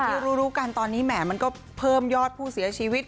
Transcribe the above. ที่รู้กันตอนนี้แหมมันก็เพิ่มยอดผู้เสียชีวิต